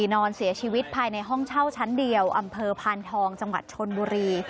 นอนเสียชีวิตภายในห้องเช่าชั้นเดียวอำเภอพานทองจังหวัดชนบุรี